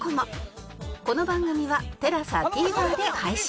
この番組は ＴＥＬＡＳＡＴＶｅｒ で配信